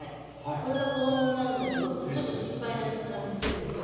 これが衣になるんだけどちょっと心配な感じするでしょ。